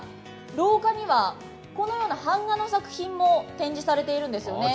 廊下にはこのような版画の作品も展示されているんですよね。